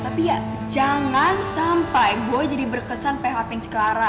tapi ya jangan sampai boy jadi berkesan php ing si clara